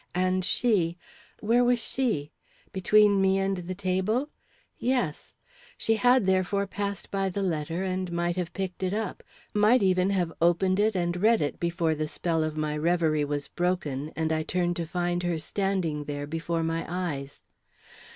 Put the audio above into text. And she where was she? between me and the table? Yes! She had, therefore, passed by the letter, and might have picked it up, might even have opened it, and read it before the spell of my revery was broken, and I turned to find her standing there before my eyes.